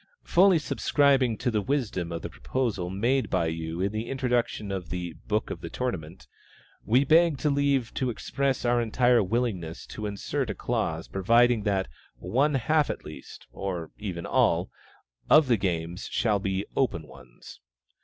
Fully subscribing to the wisdom of the proposal made by you in the introduction to the "Book of the Tournament," we beg leave to express our entire willingness to insert a clause providing that "one half at least" (or even all) "of the games shall be open ones."